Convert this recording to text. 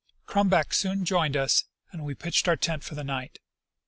Crumback soon joined us, and we pitched our tent for the night.